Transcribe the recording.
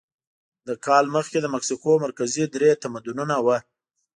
له کال مخکې د مکسیکو مرکزي درې تمدنونه وو.